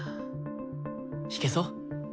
弾けそう？